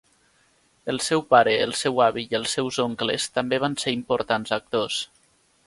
El seu pare, el seu avi i els seus oncles també van ser importants actors.